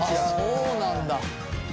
そうなんだ。